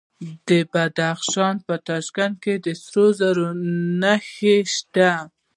د بدخشان په تیشکان کې د سرو زرو نښې شته.